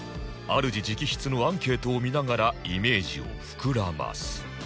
主直筆のアンケートを見ながらイメージを膨らます